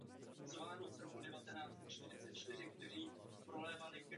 V nich byly nalezeny pozůstatky lidí a předchůdců člověka mimo jiné z doby kamenné.